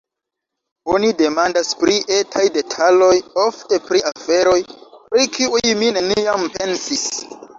Oni demandas pri etaj detaloj, ofte pri aferoj, pri kiuj mi neniam pensis.